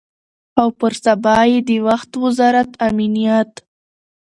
او پر سبا یې د وخت وزارت امنیت